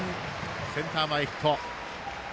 センター前ヒット。